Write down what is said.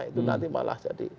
itu nanti malah jadi